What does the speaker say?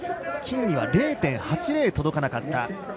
金には０．８０届かなかった。